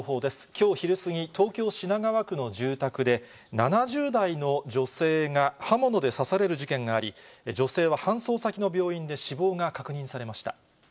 きょう昼過ぎ、東京・品川区の住宅で、７０代の女性が刃物で刺される事件があり、女性は搬送先の病院で死亡が確認されました。